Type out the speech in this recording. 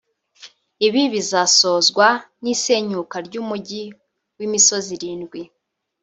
Ibi bizasozwa n’isenyuka ry’umujyi w’imisozi irindwi